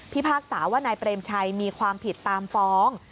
พากษาว่านายเปรมชัยมีความผิดตามฟ้อง